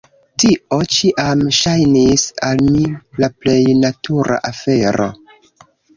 Tio ĉiam ŝajnis al mi la plej natura afero.